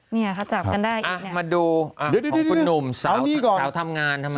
มาดูของคุณนุ่มสาวทำงานที่บ้าน